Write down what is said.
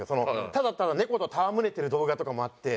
ただただ猫と戯れてる動画とかもあって。